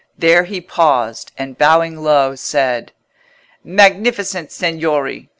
There he paused, and, bowing low, said— "Magnificent Signori!